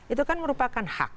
itu kan merupakan hak